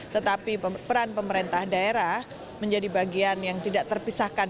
tetapi peran pemerintah daerah menjadi bagian yang tidak terpisahkan